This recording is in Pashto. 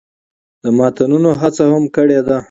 د ماتونو هڅه هم کړې ده